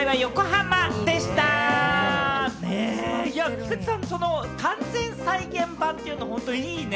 菊池さん、完全再現版というの本当いいね。